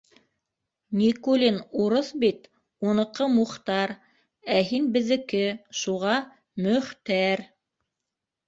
Никулин урыҫ бит, уныҡы Мухтар, ә һин беҙҙеке, шуға Мөх-тәр.